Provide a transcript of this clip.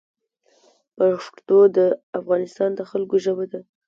پښتو د افغانستان د خلګو ژبه ده